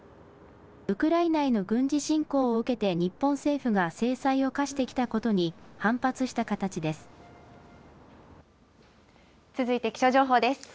ウクライナへの軍事侵攻を受けて日本政府が制裁を科してきたこと続いて気象情報です。